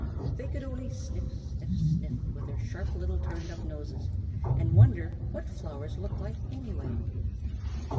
They could only sniff, sniff, sniff with their sharp little turned up noses, and wonder what flowers look like, any way.